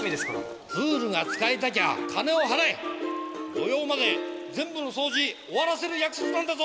土曜まで全部の掃除終わらせる約束なんだぞ。